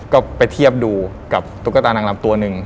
ก็ไปเทียบดูกับตุ๊กตานางลำตัวหนึ่ง